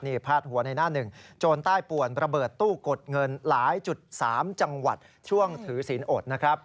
นี่พาดหัวในหน้าหนึ่งโจรใต้ป่วนระเบิดตู้กดเงินหลายจุด๓จังหวัดช่วงถือศีลอดนะครับ